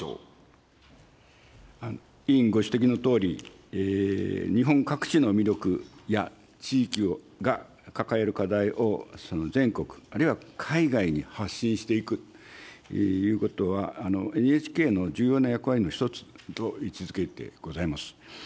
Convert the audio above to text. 委員ご指摘のとおり、日本各地の魅力や地域が抱える課題を全国、あるいは海外に発信していくということは、ＮＨＫの重要な役割の一つと位置づけてございます。